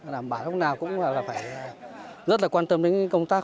đảm bảo lúc nào cũng phải rất quan tâm đến công tác